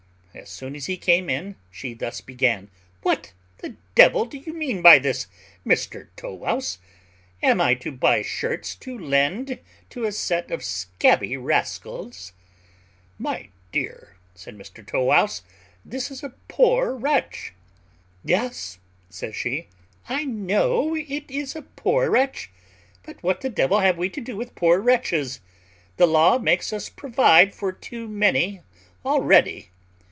As soon as he came in, she thus began: "What the devil do you mean by this, Mr Tow wouse? Am I to buy shirts to lend to a set of scabby rascals?" "My dear," said Mr Tow wouse, "this is a poor wretch." "Yes," says she, "I know it is a poor wretch; but what the devil have we to do with poor wretches? The law makes us provide for too many already.